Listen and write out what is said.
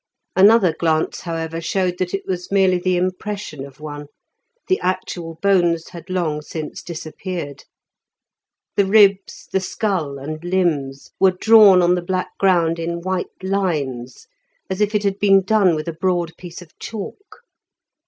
Another glance, however, showed that it was merely the impression of one, the actual bones had long since disappeared. The ribs, the skull, and limbs were drawn on the black ground in white lines as if it had been done with a broad piece of chalk.